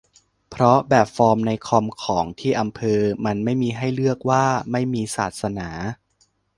เพราะแบบฟอร์มในคอมของที่อำเภอมันไม่มีให้เลือกว่าไม่มีศาสนา